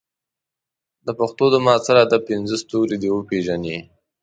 د پښتو د معاصر ادب پنځه ستوري دې وپېژني.